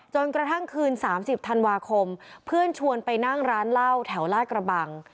จนกระทั่งคืน๓๐ธันวาคมเพื่อนชวนไปนั่งร้านเหล้าแถวลาดกระบัง